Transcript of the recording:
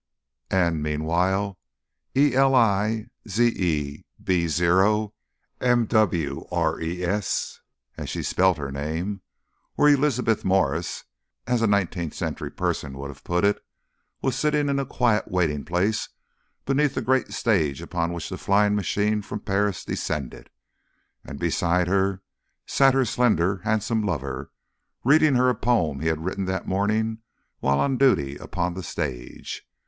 And meanwhile "Elizebeθ Mwres," as she spelt her name, or "Elizabeth Morris" as a nineteenth century person would have put it, was sitting in a quiet waiting place beneath the great stage upon which the flying machine from Paris descended. And beside her sat her slender, handsome lover reading her the poem he had written that morning while on duty upon the stage.